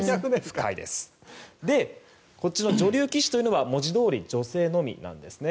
女流棋士というのは文字どおり女性のみなんです。